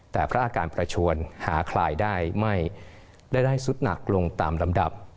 แต่พระอาการประชวนหาคลายได้ไม่ได้สุดหนักลงตามลำดับ